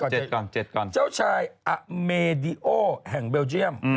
เจ้าชายอเมดิโอแห่งเบลเจียม